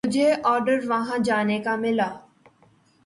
مجھے آرڈر وہاں جانے کا ملا۔